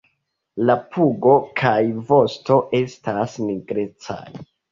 La pugo kaj vosto estas nigrecaj.